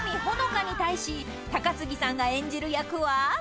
香に対し高杉さんが演じる役は？］